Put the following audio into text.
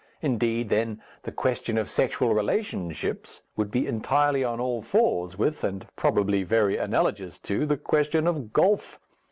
Indeed, then the question of sexual relationships would be entirely on all fours with, and probably very analogous to, the question of golf.